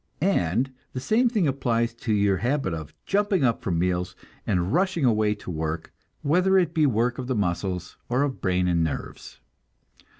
And the same thing applies to your habit of jumping up from meals and rushing away to work, whether it be work of the muscles, or of brain and nerves.